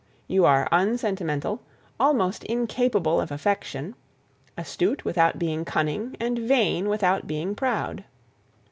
You are unsentimental, almost incapable of affection, astute without being cunning and vain without being proud.